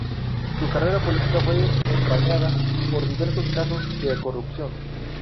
Su carrera política fue empañada por diversos casos de corrupción.